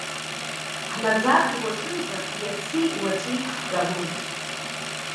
Ҳнаӡаргьы уаҵәынӡа, иаци уаҵәи ҳҳәалоит.